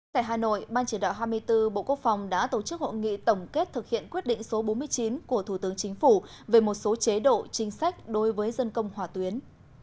tại hà nội ban chỉ đạo hai mươi bốn bộ quốc phòng đã tổ chức hội nghị tổng kết thực hiện quyết định số bốn mươi chín của thủ tướng chính phủ về một số chế độ chính sách đối với dân công hòa tuyến